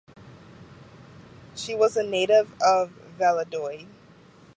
She was a native of Valladolid.